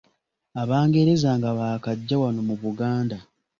Abangereza nga baakajja wano mu Buganda